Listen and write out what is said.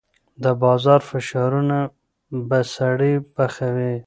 د بازار فشارونه به سړی پخوي.